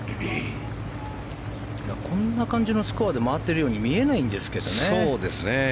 こんな感じのスコアで回っているように見えないんですけどね。